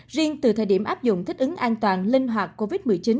riêng từ thời điểm áp dụng thích ứng an toàn linh hoạt covid một mươi chín